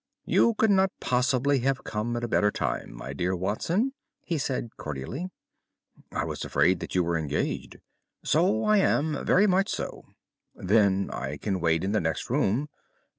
"You could not possibly have come at a better time, my dear Watson," he said cordially. "I was afraid that you were engaged." "So I am. Very much so." "Then I can wait in the next room."